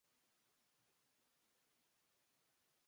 A qui li va dir?